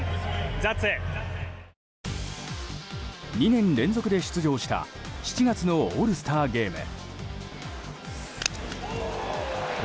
２年連続で出場した７月のオールスターゲーム。